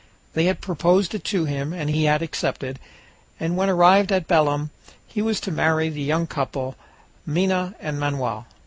They had proposed it to him, and he had accepted, and when arrived at Belem he was to marry the young couple, Minha and Manoel.